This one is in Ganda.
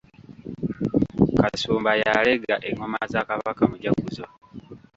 Kasumba y'aleega engoma za Kabaka, mujaguzo.